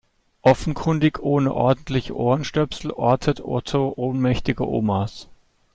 Offenkundig ohne ordentliche Ohrenstöpsel ortet Otto ohnmächtige Omas.